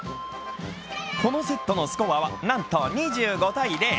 このセットのスコアは、なんと２５−０。